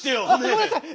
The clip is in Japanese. ごめんなさい！